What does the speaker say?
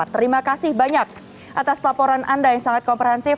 terima kasih banyak atas laporan anda yang sangat komprehensif